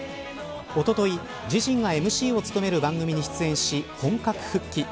おととい、自身がＭＣを務める番組に出演し、本格復帰。